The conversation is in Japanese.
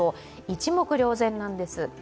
一目瞭然なんです。